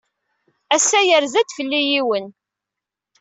Ass-a, yerza-d fell-i yiwen.